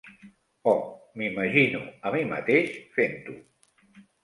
Oh, m'imagino a mi mateix fent-ho.